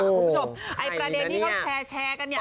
พูดจบประเด็นที่เขาแชร์กัน